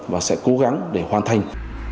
và sẽ cố gắng để hoàn thành